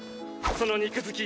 その肉づき